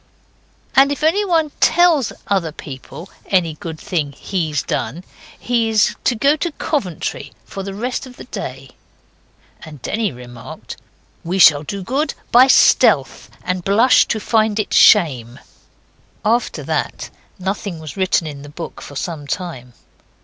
'And if anyone tells other people any good thing he's done he is to go to Coventry for the rest of the day.' And Denny remarked, 'We shall do good by stealth, and blush to find it shame.' After that nothing was written in the book for some time.